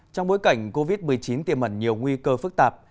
trong bối cảnh covid một mươi chín tiềm ẩn nhiều nguy cơ phức tạp